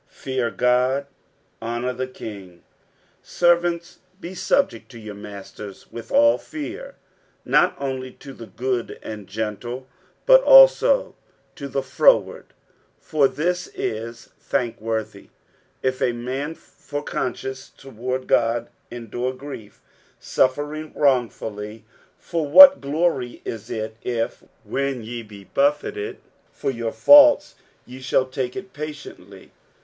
Fear God. Honour the king. 60:002:018 Servants, be subject to your masters with all fear; not only to the good and gentle, but also to the froward. 60:002:019 For this is thankworthy, if a man for conscience toward God endure grief, suffering wrongfully. 60:002:020 For what glory is it, if, when ye be buffeted for your faults, ye shall take it patiently?